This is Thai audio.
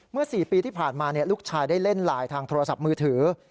๔ปีที่ผ่านมาลูกชายได้เล่นไลน์ทางโทรศัพท์มือถือ